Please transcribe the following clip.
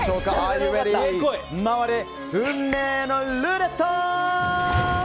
回れ、運命のルーレット！